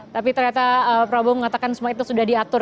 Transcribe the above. tapi ternyata prabowo mengatakan semua itu sudah diatur